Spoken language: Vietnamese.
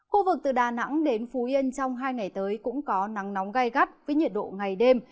khu vực từ đà nẵng đến phú yên trong hai ngày tới cũng có nắng nóng gai gắt với nhiệt độ ngày đêm